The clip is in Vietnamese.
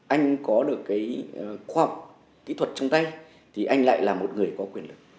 anh có được cái khoa học kỹ thuật trong tay thì anh lại là một người có quyền lực